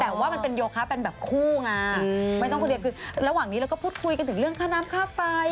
แต่ว่ามันเป็นโยคะเป็นแบบคู่ไงไม่ต้องคนเดียวคือระหว่างนี้เราก็พูดคุยกันถึงเรื่องค่าน้ำค่าไฟ